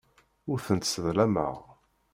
Ur tent-sseḍlameɣ.